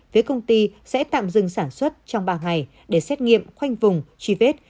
phía công ty sẽ tạm dừng sản xuất trong ba ngày để xét nghiệm khoanh vùng truy vết